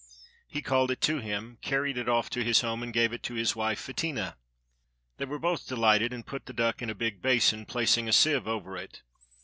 He called it to him, carried it off to his home, and gave it to his wife Fetinia. They were both delighted, and put the duck in a big basin, placing a sieve over it.